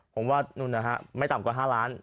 ผมว่านู่นนะฮะไม่ต่ำกว่า๕ล้าน